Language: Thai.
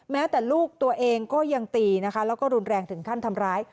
แม้แต่ลูกตัวเองก็ยังตีนะคะแล้วก็รุนแรงถึงขั้นทำร้าย